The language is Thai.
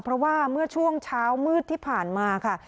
เพราะว่าเมื่อช่วงเช้ามืดที่ผ่านมาค่ะ